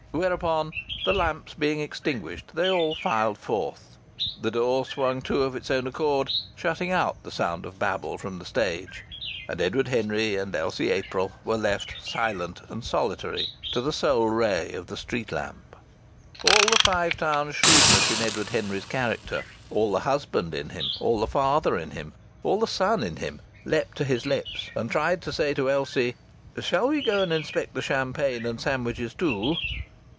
Whereupon, the lamps being extinguished, they all filed forth, the door swung to of its own accord, shutting out the sound of babble from the stage, and Edward Henry and Elsie April were left silent and solitary to the sole ray of the street lamp. All the Five Towns' shrewdness in Edward Henry's character, all the husband in him, all the father in him, all the son in him, leapt to his lips, and tried to say to Elsie: "Shall we go and inspect the champagne and sandwiches, too?"